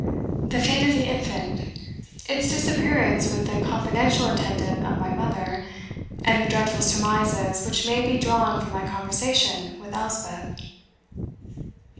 "The fate of the infant its disappearance with the confidential attendant of my mother, and the dreadful surmises which may be drawn from my conversation with Elspeth."